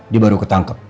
dia baru ketangkep